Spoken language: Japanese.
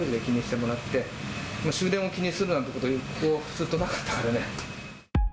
もう終電を気にするなんてこと、ずっとなかったからね。